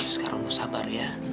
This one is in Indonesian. sekarang lo sabar ya